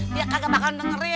dia kagak bakal dengerin